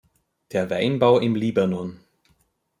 Der Weinbau im Libanon.